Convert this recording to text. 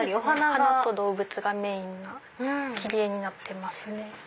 花と動物がメインな切り絵になってますね。